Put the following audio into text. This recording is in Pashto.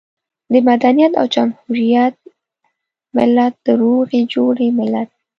د مدنيت او جمهوريت ملت، د روغې جوړې ملت.